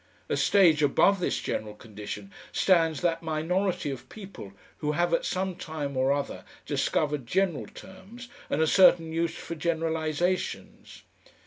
A stage above this general condition stands that minority of people who have at some time or other discovered general terms and a certain use for generalisations.